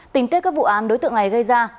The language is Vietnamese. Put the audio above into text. tình tiết các vụ án đối tượng này gây ra